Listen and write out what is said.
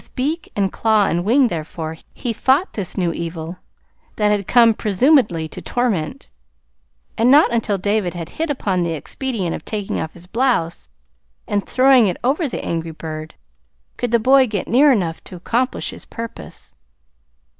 With beak and claw and wing, therefore, he fought this new evil that had come presumedly to torment; and not until David had hit upon the expedient of taking off his blouse, and throwing it over the angry bird, could the boy get near enough to accomplish his purpose.